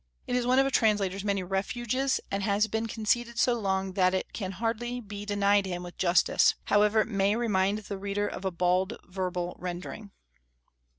It is one of a translator's many refuges, and has been conceded so long that it can hardly he denied him with justice, however it may remind the reader of a bald verbal rendering.